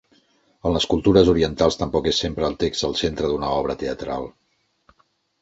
En les cultures orientals tampoc és sempre el text el centre d'una obra teatral.